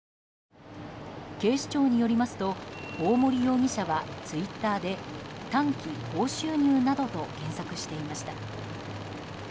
警視庁によりますと大森容疑者はツイッターで短期高収入などと検索していました。